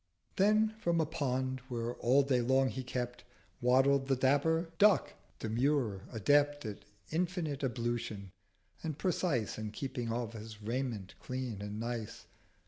Then from a Pond, where all day long he kept, Waddled the dapper Duck demure, adept 460 At infinite Ablution, and precise In keeping of his Raiment clean and nice.